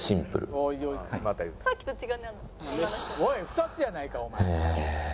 ２つやないかお前」